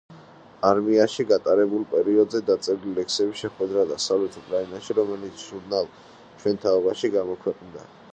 არმიაში გატარებულ პერიოდზე დაწერა ლექსი „შეხვედრა დასავლეთ უკრაინაში“, რომელიც ჟურნალ „ჩვენ თაობაში“ გამოქვეყნდა.